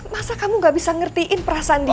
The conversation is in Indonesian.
masa kamu gak bisa ngertiin perasaan dia